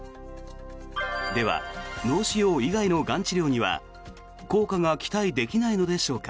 では、脳腫瘍以外のがん治療には効果が期待できないのでしょうか。